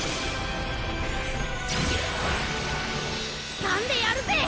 掴んでやるぜ！